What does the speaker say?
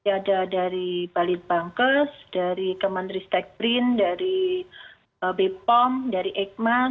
ada dari balint bankes dari kementerian stake print dari bpom dari egman